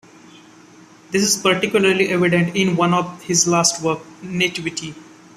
This is particularly evident in one of his last works, "Nativity".